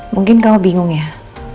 mungkin kamu bingung ya